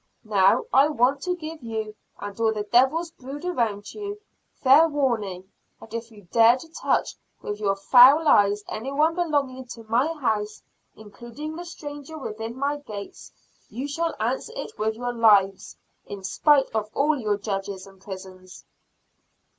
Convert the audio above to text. Now I want to give you, and all the Devil's brood around you, fair warning that if you dare to touch with your foul lies any one belonging to my house including the stranger within my gates, you shall answer it with your lives, in spite of all your judges and prisons."